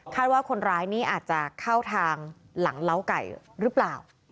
ว่าคนร้ายนี้อาจจะเข้าทางหลังเล้าไก่หรือเปล่า